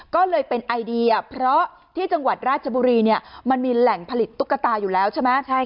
ก็เลยเป็นไอเดียเพราะที่จังหวัดราชบุรีเนี่ยมันมีแหล่งผลิตตุ๊กตาอยู่แล้วใช่ไหม